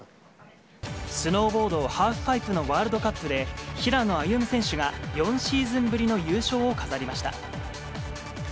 スノーボードハーフパイプのワールドカップで、平野歩夢選手が４シーズンぶりの優勝を飾りました。